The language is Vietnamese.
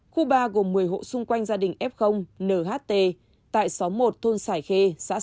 khu ba gồm một mươi hộ xung quanh gia đình f tại xóm một thôn sải khê